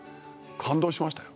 感動しましたよ。